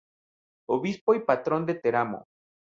Obispo y Patrón de Teramo.